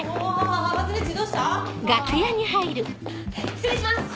失礼します！